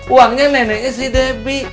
uangnya neneknya si debbie